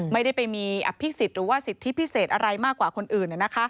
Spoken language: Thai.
ไม่ได้ไปมีอภิษฎหรือว่าสิทธิพิเศษอะไรมากกว่าคนอื่น